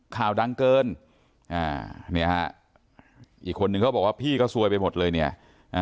ข่าวดังเกินอ่าเนี่ยฮะอีกคนนึงเขาบอกว่าพี่ก็ซวยไปหมดเลยเนี่ยอ่า